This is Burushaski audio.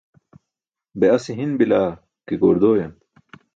Be ase hin bilaa ke, goor dooyam!